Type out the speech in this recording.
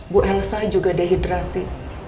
bu elsa juga dehidrasi